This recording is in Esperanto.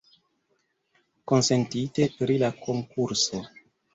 Konsentite pri la konkurso!